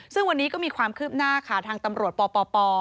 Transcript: ซึ่งวันนี้ก็มีความคืบหน้าค่ะทางตำรวจปป